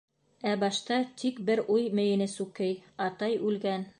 Ә башта тик бер уй мейене сүкей: «Атай үлгән...»